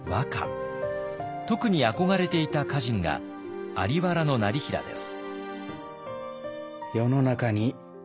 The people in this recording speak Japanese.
特に憧れていた歌人が在原業平です。